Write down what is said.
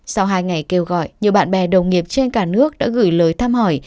sau hai ngày kêu gọi nhiều bạn bè đồng nghiệp trên cả nước đã gửi lời thăm hỏi